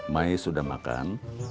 mai sudah makan